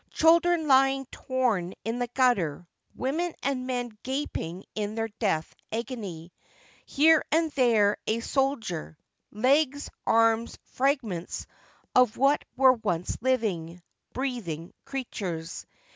Children lying torn in the gutter, women and men gaping in their death agony. Here and there a soldier ; legs, arms, fragments of what were once living, breathing creatures.